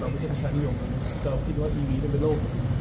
มันเป็น